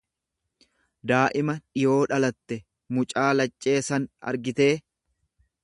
daa'ima dhiwoo dhalatte; Mucaa laccee san argitee.